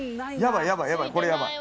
これやばい